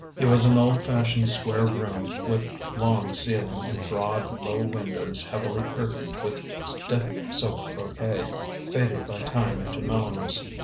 It was an old fashioned square room with long ceiling, and broad, low windows heavily curtained with stiff silk brocade, faded by time into mellowness.